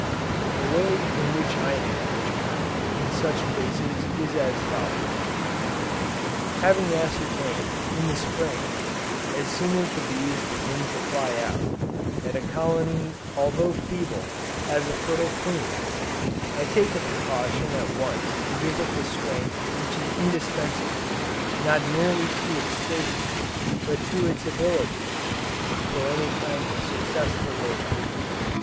The way in which I manage, in such cases, is as follows. Having ascertained, in the Spring, as soon as the bees begin to fly out, that a colony although feeble, has a fertile queen, I take the precaution at once to give it the strength which is indispensable, not merely to its safety, but to its ability for any kind of successful labor.